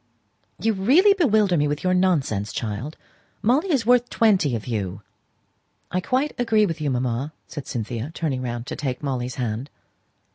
"You really bewilder me with your nonsense, child. Molly is worth twenty of you." "I quite agree with you, mamma," said Cynthia, turning round to take Molly's hand.